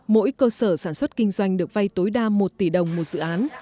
mỗi cơ sở sản xuất kinh doanh được vay tối đa một tỷ đồng một dự án